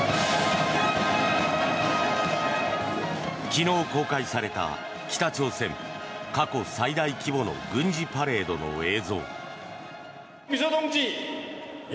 昨日公開された北朝鮮過去最大規模の軍事パレードの映像。